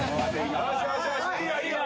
よしよしいいよいいよ。